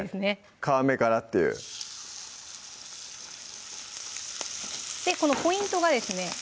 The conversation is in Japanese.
皮目からっていうこのポイントがですね